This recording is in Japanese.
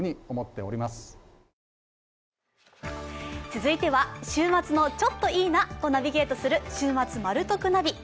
続いては週末のちょっといいなをナビゲートする「週末マル得ナビ」。